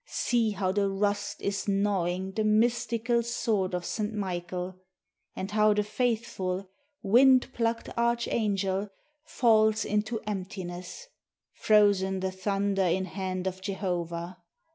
See how the rust is Gnawing the mystical Sword of St. Michael; And how the faithful Wind plucked archangel Falls into emptiness; Frozen the thunder in Hand of Jehovah.